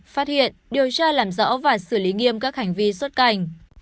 phát hiện điều tra làm rõ và xử lý nghiêm các hành vi xuất cảnh